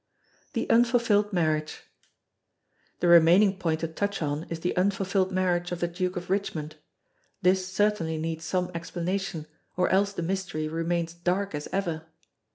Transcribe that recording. The Unfulfilled Marriage The remaining point to touch on is the unfulfilled marriage of the Duke of Richmond. This certainly needs some explanation, or else the mystery remains dark as ever.